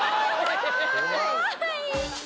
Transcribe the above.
怖い！